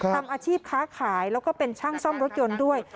ทำอาชีพค้าขายแล้วก็เป็นช่างซ่อมรถยนต์ด้วย